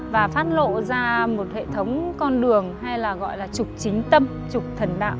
và phát lộ ra một hệ thống con đường hay là gọi là trục chính tâm trục thần đạo